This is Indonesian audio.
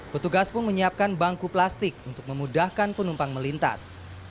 petugas pun menyiapkan bangku plastik untuk memudahkan penumpang melintas